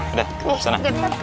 udah ke sana